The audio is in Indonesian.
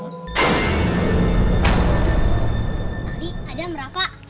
nari ada merapak